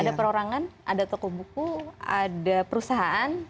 ada perorangan ada toko buku ada perusahaan